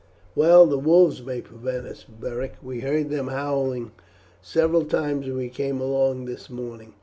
"Well, the wolves may prevent us, Beric; we heard them howling several times as we came along this morning.